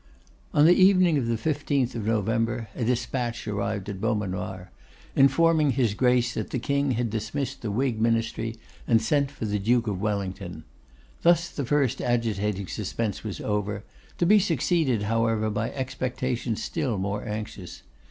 On the evening of the 15th of November, a despatch arrived at Beaumanoir, informing his Grace that the King had dismissed the Whig Ministry, and sent for the Duke of Wellington. Thus the first agitating suspense was over; to be succeeded, however, by expectation still more anxious.